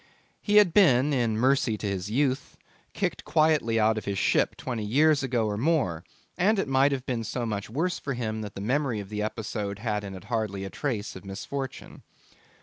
He had been, in mercy to his youth, kicked quietly out of his ship twenty years ago or more, and it might have been so much worse for him that the memory of the episode had in it hardly a trace of misfortune.